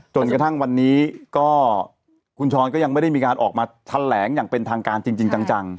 จนกระทั่งวันนี้ก็คุณช้อนก็ยังไม่ได้มีการออกมาแถลงอย่างเป็นทางการจริงจัง